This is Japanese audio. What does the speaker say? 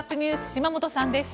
島本さんです。